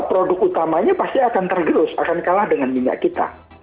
produk utamanya pasti akan tergerus akan kalah dengan minyak kita